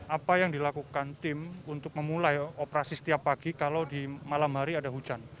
apa yang dilakukan tim untuk memulai operasi setiap pagi kalau di malam hari ada hujan